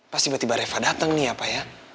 pas tiba tiba reva datang nih ya pak ya